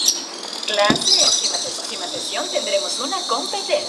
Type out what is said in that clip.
Los regadíos tuvieron gran protagonismo a lo largo del tiempo.